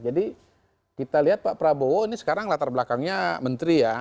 jadi kita lihat pak prabowo ini sekarang latar belakangnya menteri ya